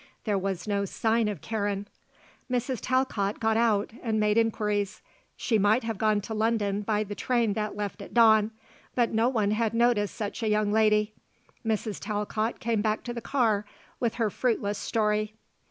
There was no sign of Karen. Mrs. Talcott got out and made inquiries. She might have gone to London by the train that left at dawn; but no one had noticed such a young lady. Mrs. Talcott came back to the car with her fruitless story.